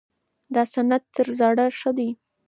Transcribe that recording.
دا سند تر زاړه ښه دی.